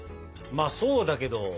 まあそうだけど。